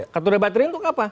katoda baterai untuk apa